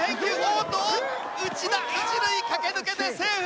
おっと内田一塁駆け抜けてセーフ！